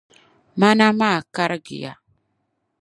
Maana maa karigiya.